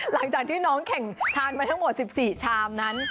หลังจากที่น้องแข่งทานมาทั้งหมด๑๔ชามนั้น